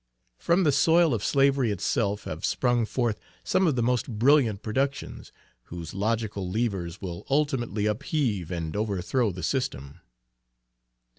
From the soil of slavery itself have sprung forth some of the most brilliant productions, whose logical levers will ultimately upheave and overthrow the system.